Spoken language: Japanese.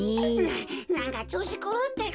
ななんかちょうしくるうってか。